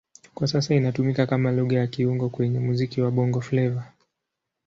Kwa sasa inatumika kama Lugha ya kiungo kwenye muziki wa Bongo Flava.